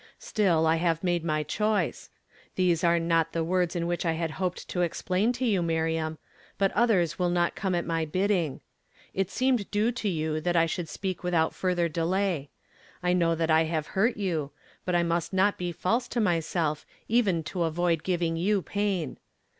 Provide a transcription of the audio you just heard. Still, I have made my choice. Tliese are not the words in which I had hoped to explain to you, Miriam ; but others will not come at my bidding. It seemed due to you that I should speak without further delay. I know tliat I have hurt you, but I must not be false to myself even to avoid giving you pain.